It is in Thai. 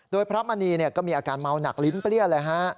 โดยพระมณีก็มีอาการเมาหนักลิ้นเปรี้ยเลยฮะ